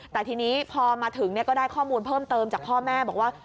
แต่ทีนี้พอมาถึงก็ได้ข้อมูลเพิ่มเติมจากพ่อแม่บอกว่า